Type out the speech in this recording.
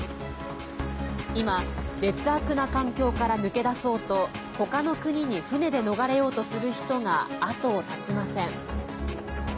今、劣悪な環境から抜け出そうと他の国に船で逃れようとする人が後を絶ちません。